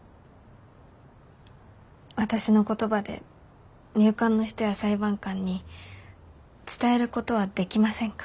私の言葉で入管の人や裁判官に伝えることはできませんか？